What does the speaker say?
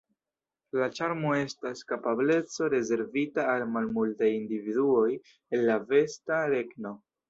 La ĉarmo estas kapableco rezervita al malmultaj individuoj el la besta regno.